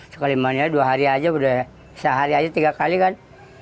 sekali mandi aja dua hari aja sehari aja tiga kali kan